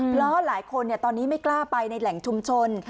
เพราะหลายคนเนี่ยกล้าไปในแหล่งทุมชน